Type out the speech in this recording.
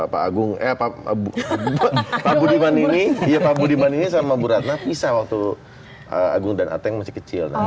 pak agung eh pak budiman ini sama bu ratna bisa waktu agung dan ateng masih kecil